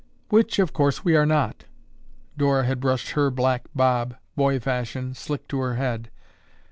"Which, of course, we are not." Dora had brushed her black bob, boy fashion, slick to her head.